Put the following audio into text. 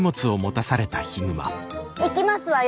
行きますわよ。